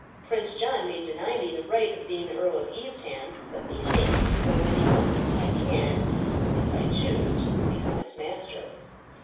Prince John may deny me the right of being the Earl of Evesham; but methinks before many months I can, if I choose, become its master."